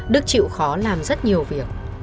đức chịu khó làm rất nhiều việc